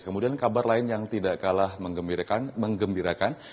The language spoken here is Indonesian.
kemudian kabar lain yang tidak kalah mengembirakan